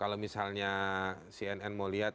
kalau misalnya cnn mau lihat